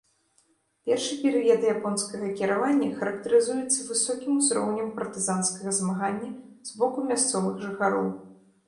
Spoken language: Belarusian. Першы перыяд японскага кіравання характарызуецца высокім узроўнем партызанскага змагання з боку мясцовых жыхароў.